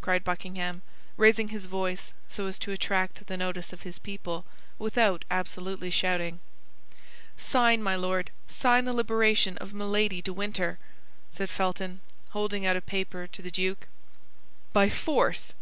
cried Buckingham, raising his voice so as to attract the notice of his people, without absolutely shouting. "Sign, my Lord; sign the liberation of Milady de Winter," said Felton, holding out a paper to the duke. "By force?